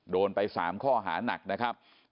โดนไป๓ข้อหานักนะครับ